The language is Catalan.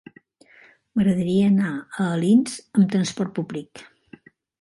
M'agradaria anar a Alins amb trasport públic.